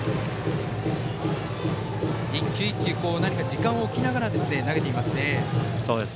１球１球時間を置きながら投げていますね。